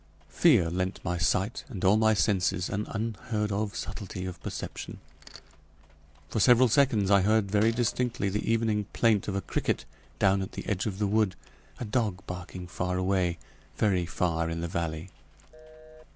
Fear lent my sight, and all my senses, an unheard of subtlety of perception. For several seconds I heard very distinctly the evening plaint of a cricket down at the edge of the wood, a dog barking far away, very far in the valley.